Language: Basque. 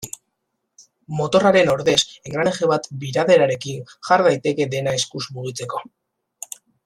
Motorraren ordez engranaje bat biraderarekin jar daiteke dena eskuz mugitzeko.